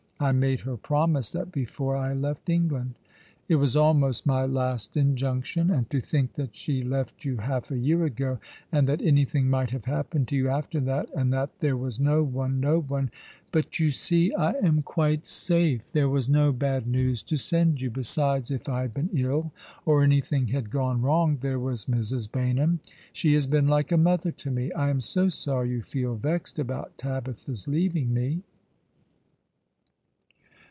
I made her promise that before I left England. It was almost my last injunction. And to think that she left you half a year ago, and that anything might have happened to you after that, and that there was no one — no one "" But, you see, I am quite safe. There was no bad news to send you. Besides, if I had been ill, or anything had gone wrong, there was Mrs. Baynham. She has been like a mother to me. I am so sorry you feel vexed about Tabitha's leaving me."